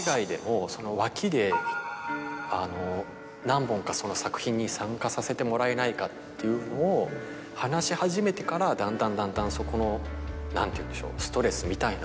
何本か作品に参加させてもらえないかっていうのを話し始めてからだんだんだんだんそこの何ていうんでしょう。